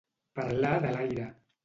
Parlar de l'aire.